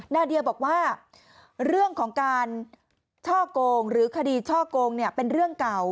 นาเดียบอกว่าเรื่องของการช่อกงหรือคดีช่อกงเป็นเรื่องเก่า